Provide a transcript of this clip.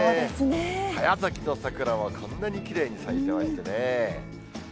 早咲きの桜もこんなにきれいに咲いてますね。